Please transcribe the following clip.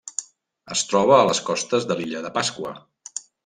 Es troba a les costes de l'Illa de Pasqua.